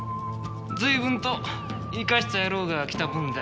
随分といかした野郎が来たもんだ。